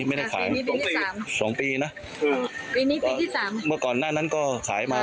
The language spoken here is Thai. ไม่ได้ขายสองปีสองปีนะปีนี้ปีที่สามเมื่อก่อนหน้านั้นก็ขายมา